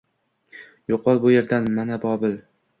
Yo `qol bu yerdan! Mana, Bobil!